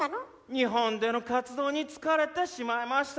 日本での活動に疲れてしまいました。